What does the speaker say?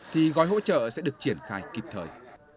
thì gói hỗ trợ sẽ được triển khai kịp thời